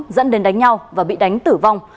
dẫn đến đánh nhau và bị đánh tử vong